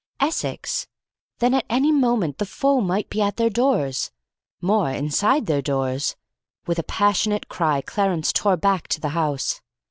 Essex! Then at any moment the foe might be at their doors; more, inside their doors. With a passionate cry, Clarence tore back to the house.